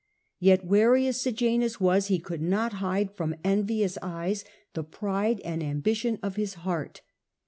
Yet, wary as Sejanus was, he could not hide from envious eyes the pride and ambition of his heart.